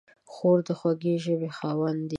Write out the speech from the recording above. خور د خوږې ژبې خاوندې ده.